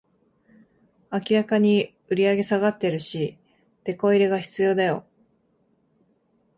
明らかに売上下がってるし、テコ入れが必要だよ